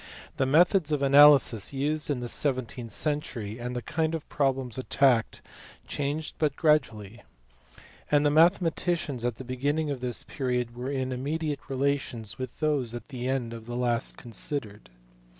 The methods of analysis used in the seventeenth century and the kind of problems attacked changed but gradually; and the mathematicians at the begin ning of this period were in immediate relations with those at the end of that last considered.